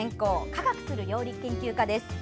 科学する料理研究家です。